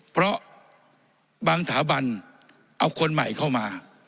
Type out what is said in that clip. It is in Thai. เพราะบางสถาบันเอาคนใหม่เข้ามา